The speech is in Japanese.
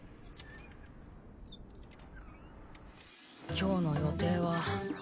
今日の予定は。